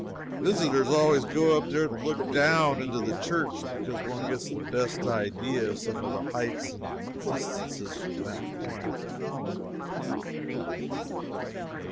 Visitors always go up there to look down into the church because one gets the best idea of some of the heights and distances from that point.